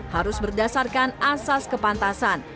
harus berdasarkan asas kepantasan